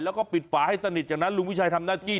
แล้วก็ปิดฝาให้สนิทจากนั้นลุงวิชัยทำหน้าที่